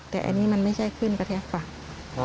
แต่อันนี้มันไม่ใช่ขึ้นกระแทกฝั่ง